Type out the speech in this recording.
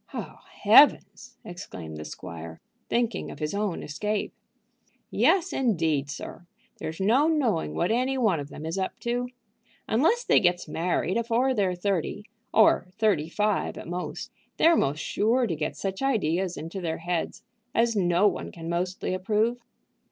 "Oh heavens!" exclaimed the squire, thinking of his own escape. "Yes, indeed, sir. There's no knowing what any one of them is up to. Unless they gets married afore they're thirty, or thirty five at most, they're most sure to get such ideas into their head as no one can mostly approve."